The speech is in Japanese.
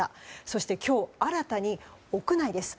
そして今日、新たに屋内です。